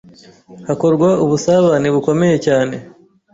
hakorwa ubusabane bukomeye cyane